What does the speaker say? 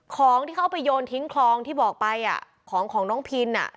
ของที่เขาเอาไปโยนทิ้งคลองที่บอกไปของของน้องพิน